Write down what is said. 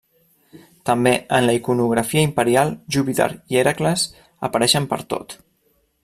També en la iconografia imperial Júpiter i Hèracles apareixen pertot.